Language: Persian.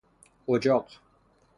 اجاق